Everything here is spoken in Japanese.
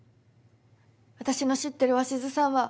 私の知ってる鷲津さんはもっと。